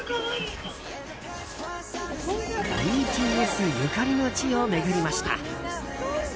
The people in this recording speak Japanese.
ＢＴＳゆかりの地を巡りました。